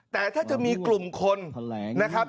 แต่ถ้าจะมีกลุ่มคนนะครับ